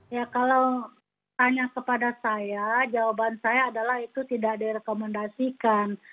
ya kalau tanya kepada saya jawaban saya adalah itu tidak direkomendasikan